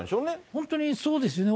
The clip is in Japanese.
本当にそうですよね。